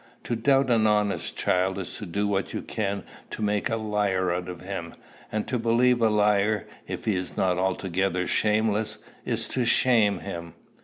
To doubt an honest child is to do what you can to make a liar of him; and to believe a liar, if he is not altogether shameless, is to shame him.